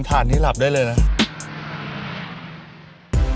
ถ่านนี้หลับได้เลยนะ